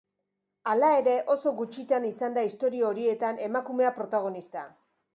Hala ere, oso gutxitan izan da istorio horietan emakumea protagonista.